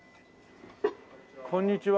こんにちは。